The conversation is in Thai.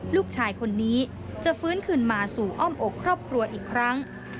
ลูกชายคนนี้จะฟื้นคืนมาสู่อ้อมอกครอบครัวอีกครั้ง